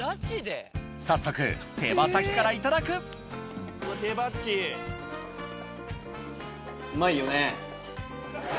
早速手羽先からいただくうまいよね。